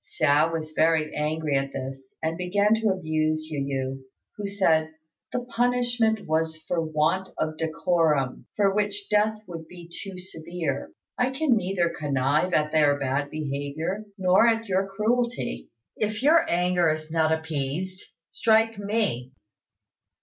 Hsiao was very angry at this, and began to abuse Yu yü, who said, "The punishment was for want of decorum, for which death would be too severe. I can neither connive at their bad behaviour, nor at your cruelty. If your anger is not appeased, strike me."